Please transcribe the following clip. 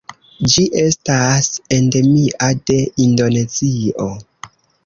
Ĝi estas endemia de Indonezio.